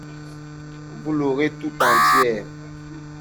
Vous l'aurez tout entière.